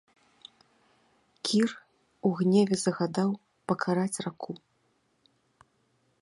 Кір у гневе загадаў пакараць раку.